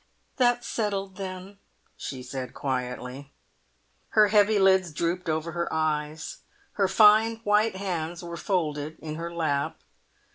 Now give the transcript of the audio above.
"That's settled then," she said quietly. Her heavy lids drooped over her eyes, her fine white hands were folded in her lap.